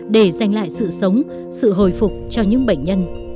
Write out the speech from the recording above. để giành lại sự sống sự hồi phục cho những bệnh nhân